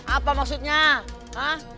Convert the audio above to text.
apa maksudnya hah